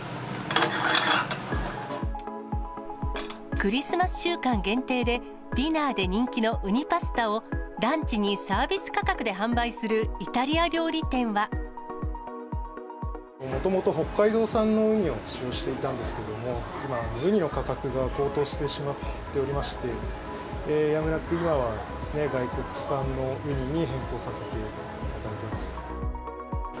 クリスマス週間限定で、ディナーで人気のウニパスタをランチにサービス価格で販売するイもともと、北海道産のウニを使用していたんですけども、今、ウニの価格が高騰してしまっておりまして、やむなく今は外国産のウニに変更させていただいております。